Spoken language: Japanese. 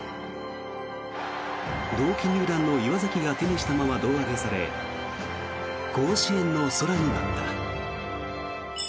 同期入団の岩崎が手にしたまま胴上げされ甲子園の空に舞った。